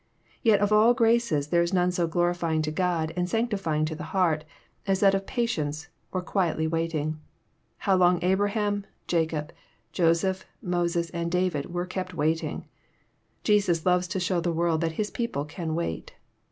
Tet of all graces there is none so glorifying to God and sanctifying to the heart as that of patience or quietly waiting. How long Abraham, Jacob, Joseph, Moses, and David were kept waiting I Jesus loves to show the world that His people can wait.